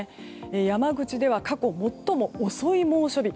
山口では、過去最も遅い猛暑日。